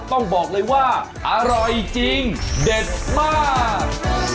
ต้องบอกเลยว่าอร่อยจริงเด็ดมาก